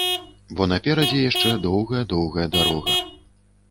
Бо наперадзе яшчэ доўгая, доўгая дарога.